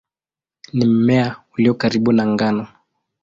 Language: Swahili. Ni mmea ulio karibu na ngano.